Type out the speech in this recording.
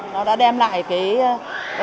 nó đã đem lại cái